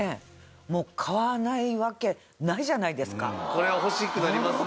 これは欲しくなりますね。